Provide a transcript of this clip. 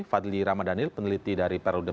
fadli ramadhanil peneliti dari periode